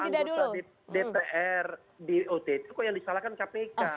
apa apa ada anggota dpr dot itu kok yang disalahkan kpk